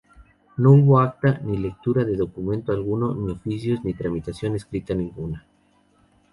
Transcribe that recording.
No hubo acta, ni lectura de documento alguno, ni oficios, ni tramitación escrita ninguna.